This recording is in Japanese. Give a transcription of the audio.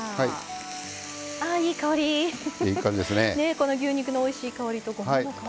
この牛肉のおいしい香りとごまの香り。